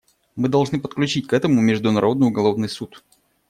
Мы должны подключить к этому Международный уголовный суд.